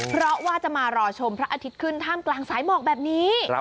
เพราะว่าจะมารอชมพระอาทิตย์ขึ้นท่ามกลางสายหมอกแบบนี้